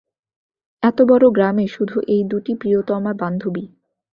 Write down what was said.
এতবড় গ্রামে শুধু এই দুটি প্রিয়তমা বান্ধবী।